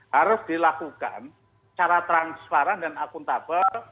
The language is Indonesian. harus dilakukan secara transparan dan akuntabel